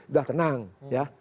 udah tenang ya